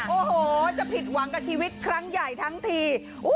โอ้โหจะผิดหวังกับชีวิตครั้งใหญ่ทั้งที